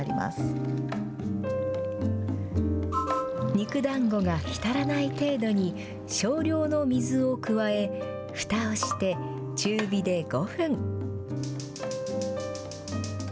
肉だんごがひたらない程度に、少量の水を加え、ふたをして中火で５分。